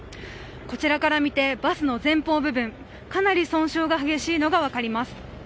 こちらから見てバスの前方部分かなり損傷が激しいのが分かります。